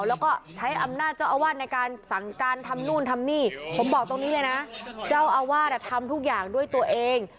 แล้วก็ใช้อำนาจเจ้าอาวาสในการสั่งการทำนู่นทำนี่ผมบอกตรงนี้เลยนะเจ้าอาวาสทำทุกอย่างด้วยตัวเอง